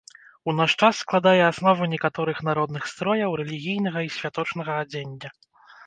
У наш час складае аснову некаторых народных строяў, рэлігійнага і святочнага адзення.